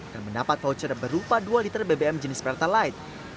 dan mendapat voucher berupa dua liter bbm jenis pertalite